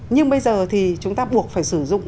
nhưng bây giờ thì chúng ta buộc phải sử dụng